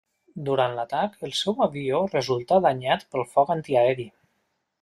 Durant l'atac el seu avió resultà danyat pel foc antiaeri.